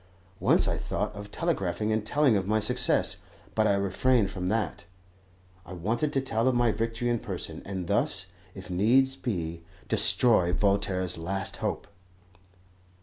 Once I thought of telegraphing and telling of my success, but I refrained from that. I wanted to tell of my victory in person, and thus, if needs be, destroy Voltaire's last hope.